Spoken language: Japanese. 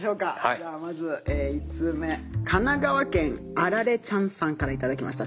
じゃあまず１通目神奈川県アラレちゃんさんから頂きました。